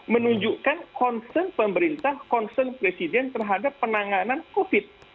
menunjukkan konsen pemerintah konsen presiden terhadap penanganan covid sembilan belas